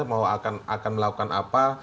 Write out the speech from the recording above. mau akan melakukan apa